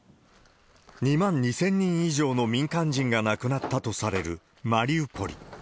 ２万２０００人以上の民間人が亡くなったとされるマリウポリ。